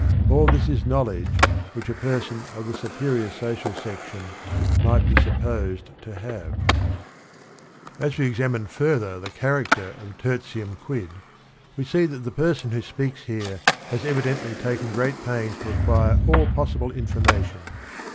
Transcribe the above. All this is knowledge which a person of the superior social section might be supposed to have. 52 THE RING AND THE BOOK As we ex amine further the character of T er tiu nT Quid, we see thai th* p ersgnwho speaks here has evidently taken great pains to acquire all possible iiifuimatio n.